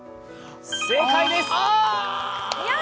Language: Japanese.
正解です！